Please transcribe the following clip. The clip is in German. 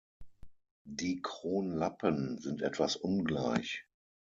Die Kronlappen sind etwas ungleich.